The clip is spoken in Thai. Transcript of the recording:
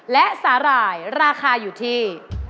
และสาหร่ายราคาอยู่ที่